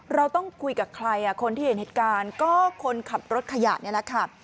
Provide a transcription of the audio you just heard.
เราต้องคุยกับใครคนที่เห็นเหตุการณ์ก็คนขับรถขยะนี่แหละค่ะ